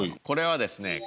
これはですね